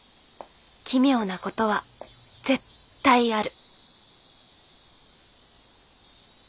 「奇妙なこと」は絶対ある。